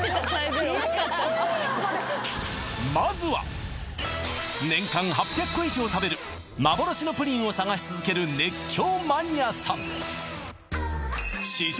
これ年間８００個以上食べる幻のプリンを探し続ける熱狂マニアさん